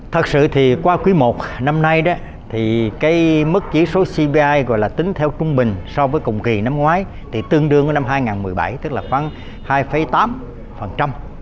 thật sự thì qua quý i năm nay thì cái mức chỉ số cpi gọi là tính theo trung bình so với cùng kỳ năm ngoái thì tương đương với năm hai nghìn một mươi bảy tức là khoảng hai tám